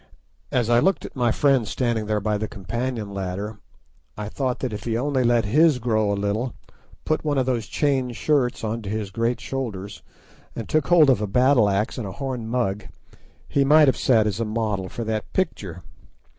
As I looked at my friend standing there by the companion ladder, I thought that if he only let his grow a little, put one of those chain shirts on to his great shoulders, and took hold of a battle axe and a horn mug, he might have sat as a model for that picture.